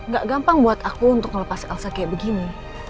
gak gampang buat aku untuk melepas elsa kayak begini